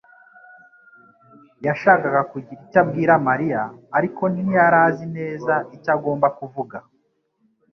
yashakaga kugira icyo abwira Mariya, ariko ntiyari azi neza icyo agomba kuvuga.